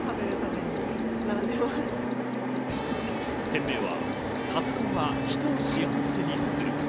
店名は、「＃カツ丼は人を幸せにする」。